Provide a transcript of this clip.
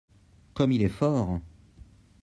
Comme il est fort !